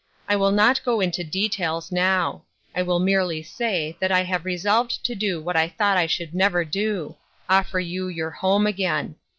I will not go into details now ; I will merely say that I have re solved to do what I thought I should never do — offer you your home again.